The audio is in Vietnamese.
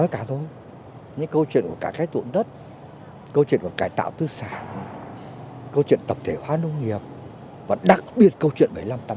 câu chuyện tập thể hóa nông nghiệp và đặc biệt câu chuyện bảy nghìn năm trăm tám mươi năm